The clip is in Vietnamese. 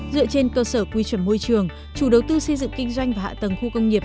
dựa trên cơ sở quy chuẩn môi trường chủ đầu tư xây dựng kinh doanh và hạ tầng khu công nghiệp